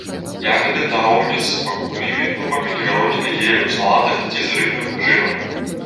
Ягады нароўні з пакупнымі крупамі і гароднінай елі ў салатах ці з рыбным жырам.